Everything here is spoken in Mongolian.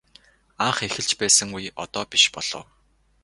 Анх эхэлж байсан үе одоо биш болов.